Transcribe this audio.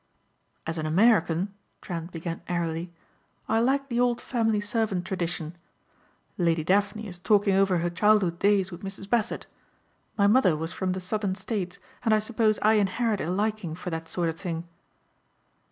"As an American," Trent began airily, "I like the old family servant tradition. Lady Daphne is talking over her childhood days with Mrs. Bassett. My mother was from the Southern states and I suppose I inherit a liking for that sort of thing."